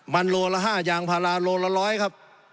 มันโลละ๕ยางพาราโลละร้อยครับ